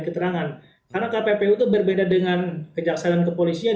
karena kppu itu berbeda dengan kejaksaan dan kepolisian